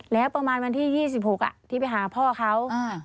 แล้วประมาณวันที่๒๖ที่ไปหาพ่อเขา